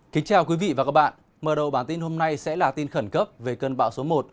kính chào quý vị và các bạn mở đầu bản tin hôm nay sẽ là tin khẩn cấp về cơn bão số một